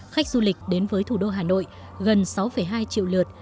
khách du lịch đến với thủ đô hà nội gần sáu hai triệu lượt